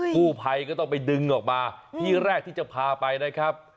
ผู้ภัยก็ต้องไปดึงออกมาที่แรกที่จะพาไปนะครับ